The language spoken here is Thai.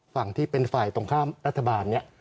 ฝั่งที่เป็นฝ่ายตรงข้ามรัฐบาลเนี่ย